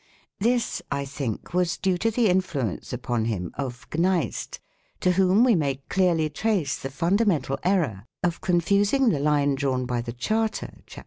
This, I think, was due to the influence upon him of Gneist, to whom we may clearly trace the fundamental error of confusing the line drawn by the Charter (cap.